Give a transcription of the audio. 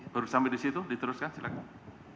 baru sampai di situ diteruskan silahkan